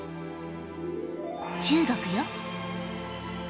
中国よ。